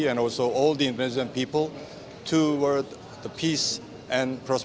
dan juga semua orang indonesia untuk keamanan dan kemanusiaan di peninsular korea